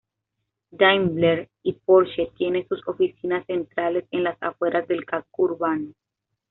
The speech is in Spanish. Daimler y Porsche tienen sus oficinas centrales en las afueras del casco urbano.